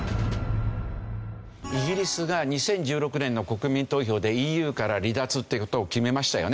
イギリスが２０１６年の国民投票でＥＵから離脱っていう事を決めましたよね。